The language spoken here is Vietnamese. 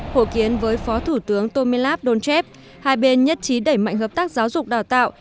hội kiến với phó thủ tướng tomilav dolcev hai bên nhất trí đẩy mạnh hợp tác giáo dục đào tạo